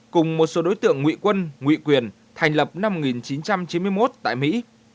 cùng một số đối tượng ngụy quân ngụy quyền thành lập năm một nghìn chín trăm chín mươi một tại mỹ